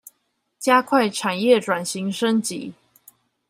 加快產業轉型升級